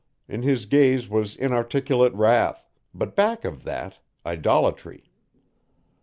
In his gaze was inarticulate wrath, but back of that idolatry.